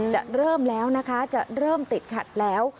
จะเริ่มแล้วนะคะจะเริ่มติดขัดแล้ว